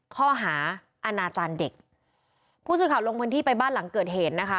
ข้อหาอาณาจารย์เด็กผู้สื่อข่าวลงพื้นที่ไปบ้านหลังเกิดเหตุนะคะ